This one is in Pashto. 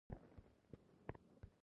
د جامعه تعليم القرآن پۀ نوم